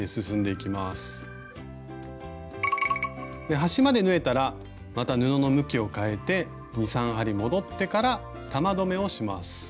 端まで縫えたらまた布の向きを変えて２３針戻ってから玉留めをします。